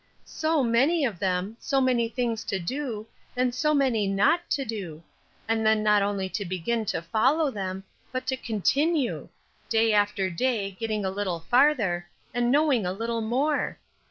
So many of them, so many things to do, and so many not to do; and then not only to begin to follow them, but to continue; day after day getting a little farther, and knowing a little more.